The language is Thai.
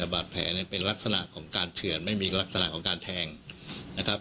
บาดแผลนั้นเป็นลักษณะของการเถื่อนไม่มีลักษณะของการแทงนะครับ